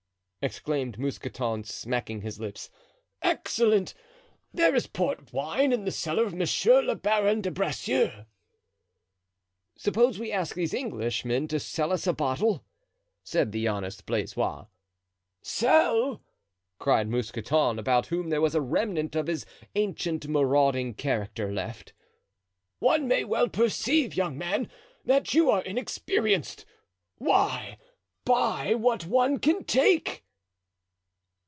exclaimed Mousqueton, smacking his lips. "Excellent; there is port wine in the cellar of Monsieur le Baron de Bracieux." "Suppose we ask these Englishmen to sell us a bottle," said the honest Blaisois. "Sell!" cried Mousqueton, about whom there was a remnant of his ancient marauding character left. "One may well perceive, young man, that you are inexperienced. Why buy what one can take?"